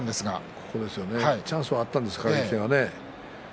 チャンスはあったんですね、輝は。